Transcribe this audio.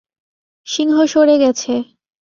সিংহ সরে গেছে।